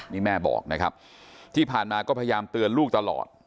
นี่แม่บอกนะครับที่ผ่านมาก็พยายามเตือนลูกตลอด